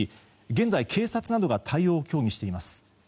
現在、警察などが対応を協議しています。